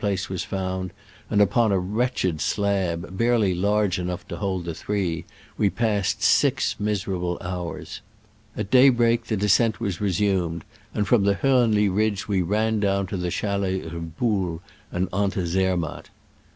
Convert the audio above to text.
SBILBR. ing place was found, and upon a wretch ed slab, barely large enough to hold the three, we passed six miserable hours. At daybreak the descent was resumed, and from the Hornli ridge we ran down to the chalets of Buhl and on to Zermatt.